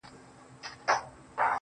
وه ه سم شاعر دي اموخته کړم